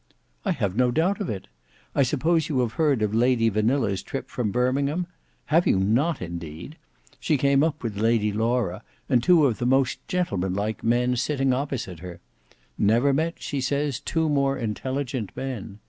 "I have no doubt of it. I suppose you have heard of Lady Vanilla's trip from Birmingham? Have you not, indeed! She came up with Lady Laura, and two of the most gentlemanlike men sitting opposite her; never met, she says, two more intelligent men.